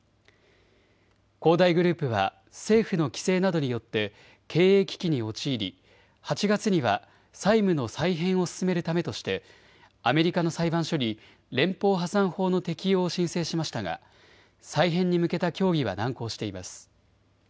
恒大グループは政府の規制などによって経営危機に陥り８月には債務の再編を進めるためとしてアメリカの裁判所に連邦破産法の適用を申請しましたが再編に向けた協議は難航しています。